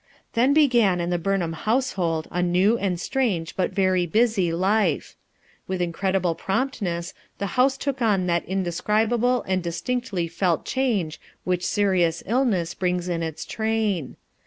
Then began in the Burnham household a new and strange but very busy life. With incredible promptness the house took on that indescribable and distinctly felt change which serious illness brings in its train.